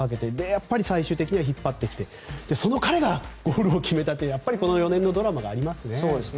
やっぱり最終的には引っ張ってきてその彼がゴールを決めたという４年のドラマがありますね。